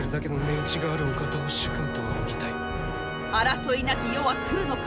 争いなき世は来るのか？